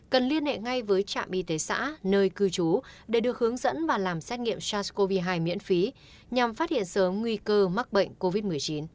cần liên hệ ngay với trạm y tế xã nơi cư trú để được hướng dẫn và làm xét nghiệm sars cov hai miễn phí nhằm phát hiện sớm nguy cơ mắc bệnh covid một mươi chín